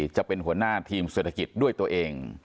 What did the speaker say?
จะเป็นหัวหน้าทีมเศรษฐกิจด้วยตัวเอง